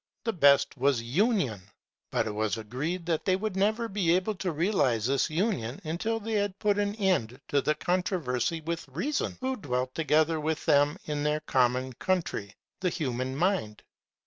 The best was imion. But, it was agreed, they would never be able to realize this union until they had put an end to the controversy with Reason, who dwelt toge tlier with them in their common country, the human mind.